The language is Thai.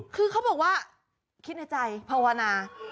คือเขาบอกว่าคิดในใจภาวนา